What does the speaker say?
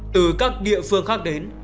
từ các địa phương khác đến